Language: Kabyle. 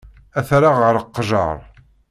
Ad t-rreɣ ɣer leqjer.